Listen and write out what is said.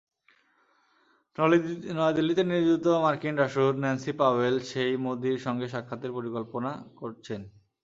নয়াদিল্লিতে নিযুক্ত মার্কিন রাষ্ট্রদূত ন্যান্সি পাওয়েল সেই মোদির সঙ্গে সাক্ষাতের পরিকল্পনা করছেন।